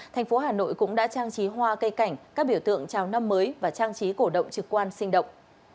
thành phố hà nội cũng đã trang trí hoa cây cảnh các biểu tượng chào năm mới và trang trí cổ động trực quan sinh động